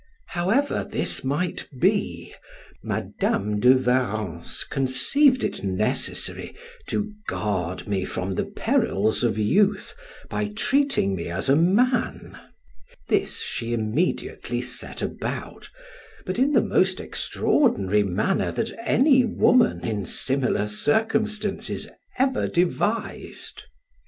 However this might be, Madam de Warrens conceived it necessary to guard me from the perils of youth by treating me as a man: this she immediately set about, but in the most extraordinary manner that any woman, in similar circumstances, ever devised.